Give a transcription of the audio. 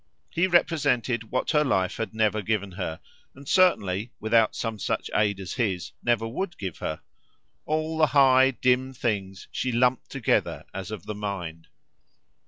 He represented what her life had never given her and certainly, without some such aid as his, never would give her; all the high dim things she lumped together as of the mind.